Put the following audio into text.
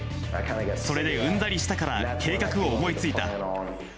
それでうんざりしたから、計画を思いついた。